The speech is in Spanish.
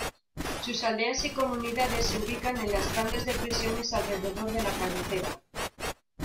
Sus aldeas y comunidades se ubican en las grandes depresiones alrededor de la cabecera.